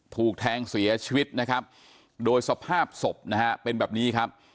ถูกแทงเสียชีวิตนะครับโดยสภาพศพนะฮะเป็นแบบนี้ครับ